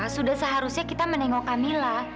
sudah seharusnya kita menengokin kamilah